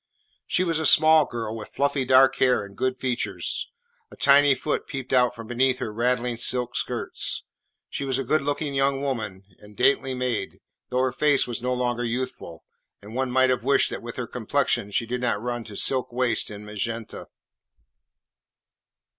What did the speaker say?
She was a small girl, with fluffy dark hair and good features. A tiny foot peeped out from beneath her rattling silk skirts. She was a good looking young woman and daintily made, though her face was no longer youthful, and one might have wished that with her complexion she had not run to silk waists in magenta.